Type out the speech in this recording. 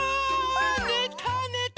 ねたねた！